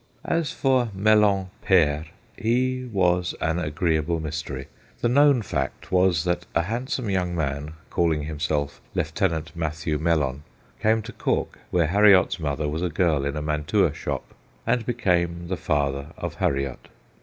As for Mellon pere, he was an agreeable mystery. The known fact was that a handsome young man, calling himself Lieutenant Mathew Mellon, came to Cork, where Harriot's mother was a girl in a mantua shop, and became the father of Harriot.